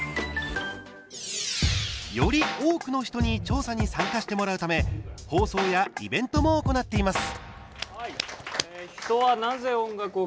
より多くの人に調査に参加してもらうため放送やイベントも行っています。